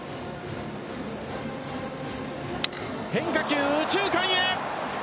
変化球、右中間へ。